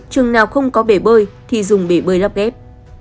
trừng nào không có bể bơi thì dùng bể bơi lắp ghép